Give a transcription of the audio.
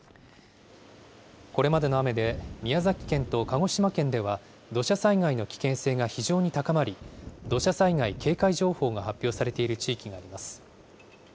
これまでの雨で、宮崎県と鹿児島県では、土砂災害の危険性が非常に高まり、土砂災害警戒情報が発表されている地域があります。